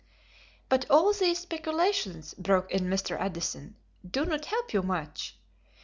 "But all these speculations," broke in Mr. Edison, "do not help you much.